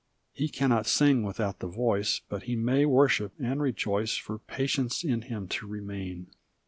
He cannot sing without the voice. But he may worship and rejoice For patience in him to remain.